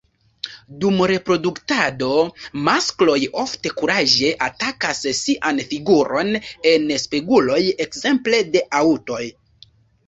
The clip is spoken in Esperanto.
Dum reproduktado maskloj ofte kuraĝe atakas sian figuron en speguloj ekzemple de aŭtoj.